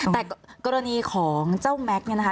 แต่กรณีของเจ้าแม็กซ์เนี่ยนะคะ